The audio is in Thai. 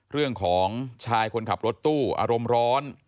เรื่องของชายคนขับรถตู้อารมณ์ร้อน